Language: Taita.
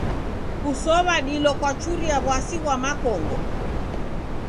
Kusow'a dilo kwachuria w'asi ghwa makongo.